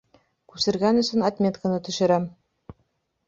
Күсергән өсөн отметканы төшөрәм.